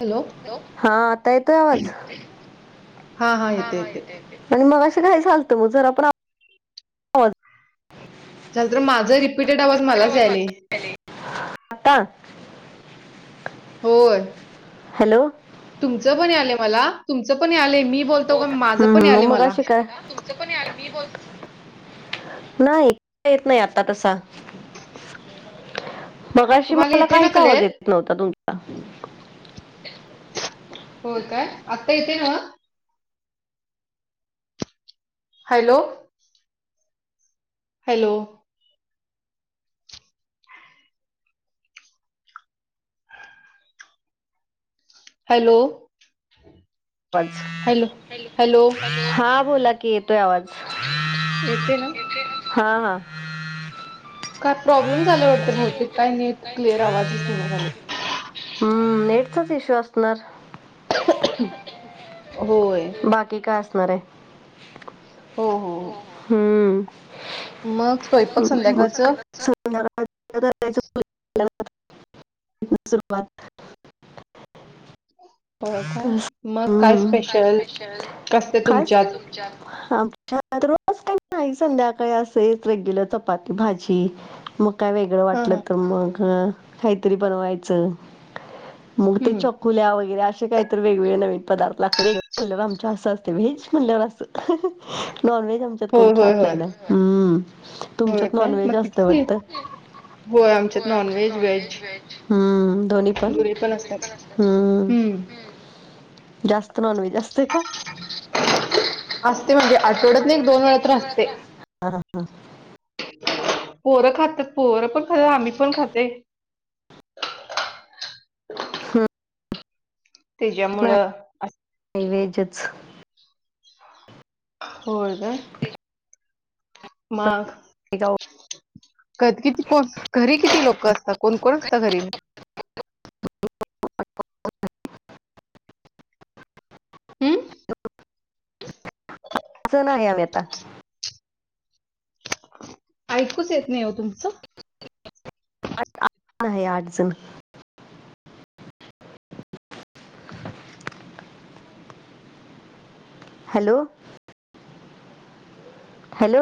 Hello हा आता येतोय आवाज? हा हा येते हाहा येते येतो येतो. आणि मगाशी काय झालतं म जर आपण झाल तर माझा रिपीटेड आवाज मलाच यायले. [unintelligible] आता होय. हॅलो. तुमचं पण आलंय मला तुमचं पण आलंय मी बोलतो का माझं हम्म पण हम्म यालय मला मगाशी काय नाही येत नाही आता तसा. मगाशी तुम्हाला मला येते ना काहीच आवाज क्लिअर येते नव्हता तुमचा ह [unintelligible] होय काय आत्ता येत नव? Hello. Hello. Hello. Hello hello हा, बोला की येतोय आवाज. येते ना. हा हा. काय प्रॉब्लेम झाले वाटते बहूतेक काय नेट क्लिअर आवाजच येइना झाले. हा नेटचाच इशू असणार. होय. बाकी काय असणार आहे? हो हो हो. हम्म. मग. स्वयंपाक हम्म मग संध्याकाळचं काय? सुरुवात. [inaudible] होय का हम्म. मग काय स्पेशल कसते खास तुमच्यात? आमच्यात रोज काही नाही संध्याकाळी असेल. रेग्युलर चपाती, भाजी मग, काय वेगळं हा वाटलं हा तर मग. काहीतरी बनवायचं मुग ते हम्म चौक खुल्या वगैरे असे काही तर वेगवेगळे नवीन पदार्थ लागतात. वेगळे [unintelligible] आमचे असं असते व्हेज [unintelligible] असंत. नॉनव्हेज आमच्यात कोण खात नाही ना. हम्म. हो तुमच्यात काय नॉनव्हेज मग. असतं वाटतं [unintelligible] होय आमच्यात नॉन व्हेज, व्हेज दोन्ही पण असतात. हम्म. जास्त नॉनव्हेज असतय का? असते म्हणजे आठवड्यात नाही एक दोन वेळा तर असते. हा हा. पोरं खात्यात, पोरं पण खात्यात आम्ही पण खातोय. तेज्यामुळं पहिले हिजेच. होय काय? मांग ए जाव क किती कोज घरी किती लोक असता. कोण कोण असता घरी. हम्म. [unintelligible] नाही आम्ही आता. ऐकूच येत नाही हो तुमचं. आत आहे आठ जण. हॅलो. हॅलो